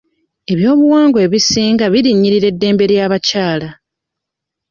Eby'obuwangwa ebisinga birinnyirira eddembe ly'abakyala.